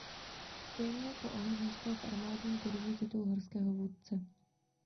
Stejně jako on získal v armádním kurzu titul horského vůdce.